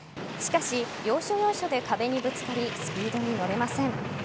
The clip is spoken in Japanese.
しかし、要所要所で壁にぶつかりスピードに乗れません。